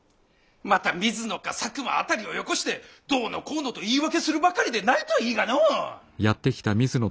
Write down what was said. また水野か佐久間辺りをよこしてどうのこうのと言い訳するばかりでないといいがのう！